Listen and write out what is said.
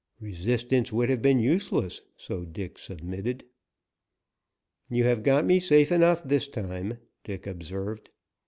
Resistance would have been useless, so Dick submitted. "You have got me safe enough this time," Dick observed.